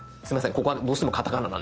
ここはどうしてもカタカナなんです。